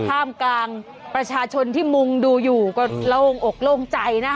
ท่ามกลางประชาชนที่มุงดูอยู่ก็โล่งอกโล่งใจนะคะ